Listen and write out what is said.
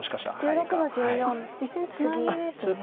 実戦ツナギですね。